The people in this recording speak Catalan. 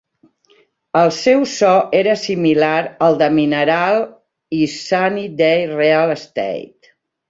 El seu so era similar al de Mineral i Sunny Day Real Estate.